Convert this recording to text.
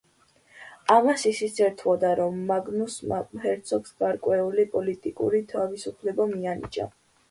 ამას ისიც ერთვოდა, რომ მაგნუსმა ჰერცოგს გარკვეული პოლიტიკური თავისუფლება მიანიჭა.